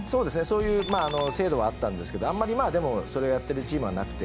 そういう制度はあったんですけどあんまりまあそれをやってるチームはなくて。